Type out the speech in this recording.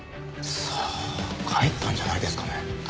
さあ帰ったんじゃないですかね。